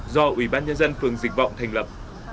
do ủy ban nhân dân phường dịch vọng thành lập